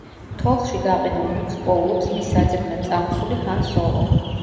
თოვლში გაყინულ ლუკს პოულობს მის საძებნად წამოსული ჰან სოლო.